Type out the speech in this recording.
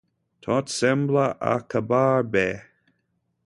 Tot sembla acabar bé.